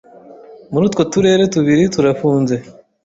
muri utwo turere tubiri turafunze